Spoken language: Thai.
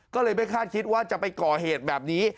ก็เลยไม่คาดคิดว่าจะไปก่อเหตุแบบนี้